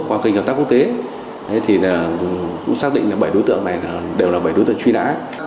qua kênh hợp tác quốc tế thì cũng xác định là bảy đối tượng này đều là bảy đối tượng truy nã